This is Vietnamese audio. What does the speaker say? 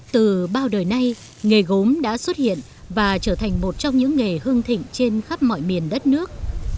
từ bao đời nay nghề gốm đã xuất hiện và trở thành một trong những nghề hương thịnh trên khắp mọi miền đất nước